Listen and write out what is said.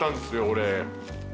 俺。